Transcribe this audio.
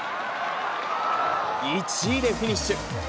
１位でフィニッシュ。